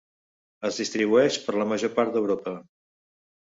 Es distribueix per la major part d'Europa.